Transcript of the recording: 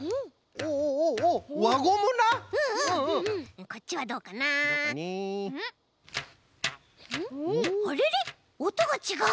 おとがちがう！